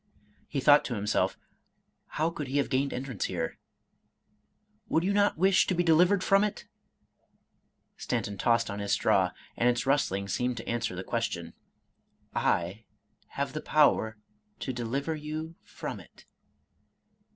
He thought to himself, " How could he have gained entrance here ?"—'' Would you not wish to be delivered from it ?" Stanton tossed on his straw, and its rustling seemed to answer the question. " I have the power to deliver you from it."